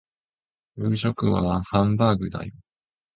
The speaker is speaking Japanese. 夕食はハンバーグだよ